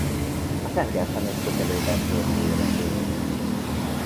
A tengerfenék közelében tölti életét.